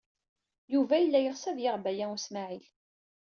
Yuba yella yeɣs ad yaɣ Baya U Smaɛil.